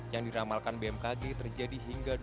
yang diramalkan bmkg terjadi hingga